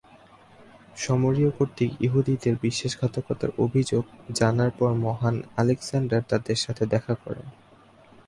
শমরীয় কর্তৃক ইহুদিদের বিশ্বাসঘাতকতার অভিযোগ জানার পর মহান আলেকজান্ডার তাদের সাথে দেখা করেন।